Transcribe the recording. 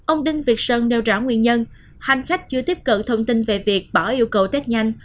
ông đinh việt sơn nêu rõ nguyên nhân hành khách chưa tiếp cận thông tin về việc bỏ yêu cầu tết nhanh